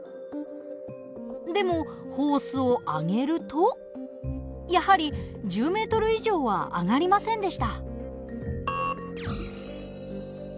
でもホースを上げるとやはり１０ｍ以上は上がりませんでした。